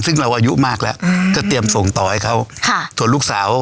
ซึ่งเราอายุมากแล้วก็เตรียมส่งต่อให้เขาค่ะส่วนลูกสาว